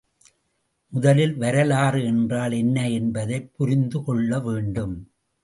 முதலில் வரலாறு என்றால் என்ன என்பதைப் புரிந்து கொள்ள வேண்டும்.